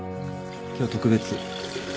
今日特別。